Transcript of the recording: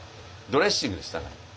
ドレッシングにしたの。